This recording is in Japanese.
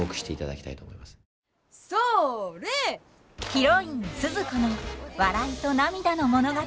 ヒロインスズ子の笑いと涙の物語。